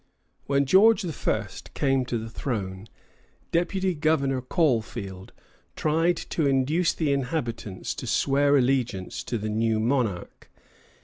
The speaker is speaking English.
When George I. came to the throne, Deputy Governor Caulfield tried to induce the inhabitants to swear allegiance to the new monarch.